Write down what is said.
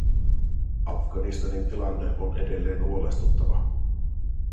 Afganistanin tilanne on edelleen huolestuttava.